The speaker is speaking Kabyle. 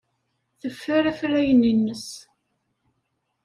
Teffer afrayen-nnes.